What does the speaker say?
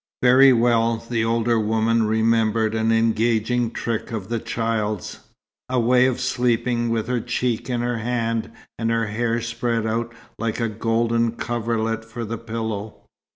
Very well the older woman remembered an engaging trick of the child's, a way of sleeping with her cheek in her hand, and her hair spread out like a golden coverlet for the pillow.